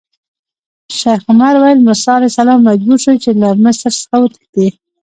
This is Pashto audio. شیخ عمر ویل: موسی علیه السلام مجبور شو چې له مصر څخه وتښتي.